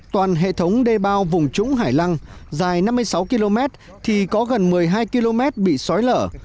toàn hệ thống đề bào vùng trúng hải lăng dài năm mươi sáu km thì có gần một mươi hai km bị sói lở